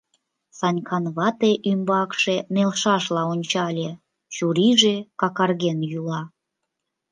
— Санькан вате ӱмбакше нелшашла ончале, чурийже какарген йӱла.